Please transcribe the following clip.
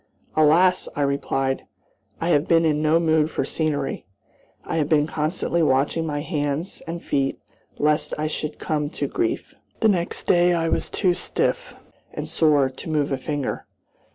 "Alas!" I replied, "I have been in no mood for scenery. I have been constantly watching my hands and feet lest I should come to grief." The next day I was too stiff and sore to move a finger.